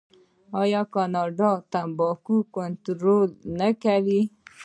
آیا کاناډا د تمباکو کنټرول نه کوي؟